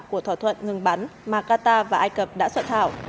của thỏa thuận ngừng bắn mà qatar và ai cập đã soạn thảo